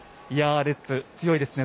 レッズ、強いですね。